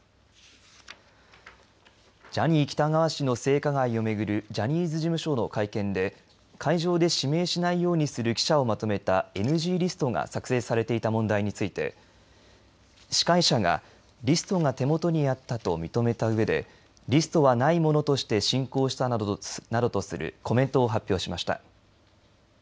ジャニー喜多川氏の性加害を巡るジャニーズ事務所の会見で会場で指名しないようにする記者をまとめたＮＧリストが作成されていた問題について司会者がリストが手元にあったと認めたうえでリストはないものとして進行したなどとするコメントを発表しました。